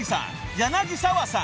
柳沢さん］